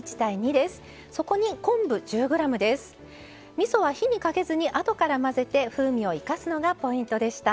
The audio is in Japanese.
みそは火にかけずにあとから混ぜて風味を生かすのがポイントでした。